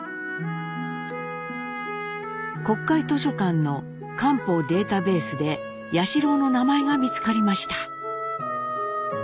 国会図書館の官報データベースで彌四郎の名前が見つかりました。